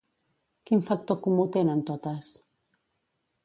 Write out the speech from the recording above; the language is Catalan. Quin factor comú tenen totes?